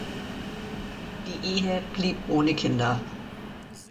Die Ehe blieb ohne Kinder.